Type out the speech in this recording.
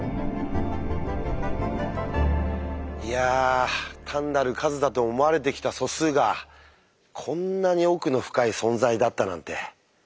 いや単なる数だと思われてきた素数がこんなに奥の深い存在だったなんて。